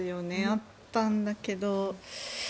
あったんだけど。